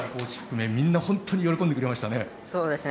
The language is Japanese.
みんな本当に喜んでくれましたね。